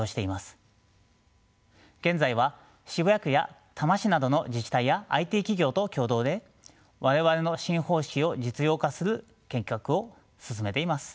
現在は渋谷区や多摩市などの自治体やＩＴ企業と共同で我々の新方式を実用化する計画を進めています。